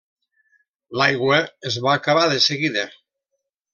L'aigua es va acabar de seguida.